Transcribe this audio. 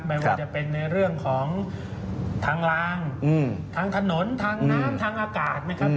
ไม่ว่าจะเป็นในเรื่องของทางลางทางถนนทางน้ำทางอากาศนะครับ